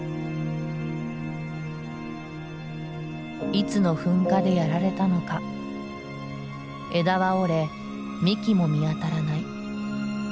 いつの噴火でやられたのか枝は折れ幹も見当たらない。